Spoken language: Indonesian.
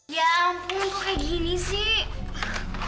ya ampun kok kayak gini sih